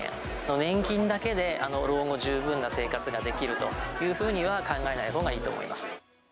年金だけで老後、十分な生活ができるというふうには考えない方がいいと思います。